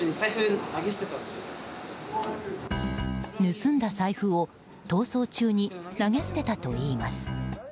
盗んだ財布を逃走中に投げ捨てたといいます。